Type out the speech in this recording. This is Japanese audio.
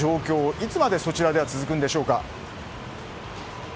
いつまでそちらでは続くんでしょうか。